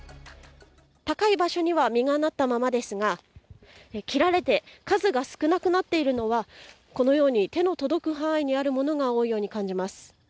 高い場所には実がなったままですが切られて数が少なくなっているのはこのように手の届く範囲のものが多いように感じられます。